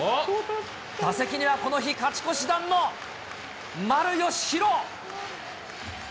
打席にはこの日勝ち越し弾の丸佳浩。